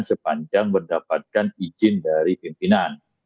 sepanjang mendapatkan izin dari pimpinan